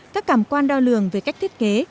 các cảm quan đao lường về cách thiết kế